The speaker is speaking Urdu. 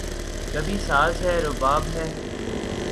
کبھی ساز ہے، رباب ہے